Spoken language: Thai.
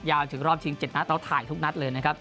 ถึงรอบชิง๗นัดเราถ่ายทุกนัดเลยนะครับ